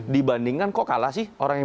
dibandingkan kok kalah sih orang yang